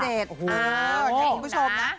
เจ้าหญิงผู้ชมนะ